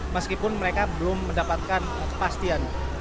meskipun mereka belum mendapatkan kepastian